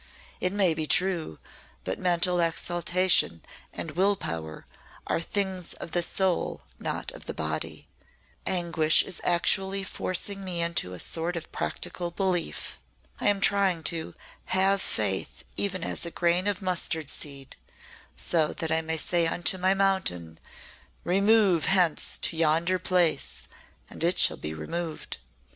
It may be true, but mental exaltation and will power are things of the soul not of the body. Anguish is actually forcing me into a sort of practical belief. I am trying to 'have faith even as a grain of mustard seed' so that I may say unto my mountain, 'Remove hence to yonder place and it shall be removed.'"